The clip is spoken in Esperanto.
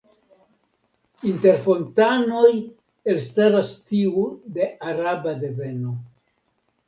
Inter fontanoj elstaras tiu de araba deveno.